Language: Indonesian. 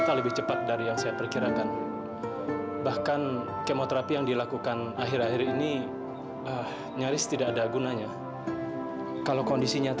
sampai jumpa di video selanjutnya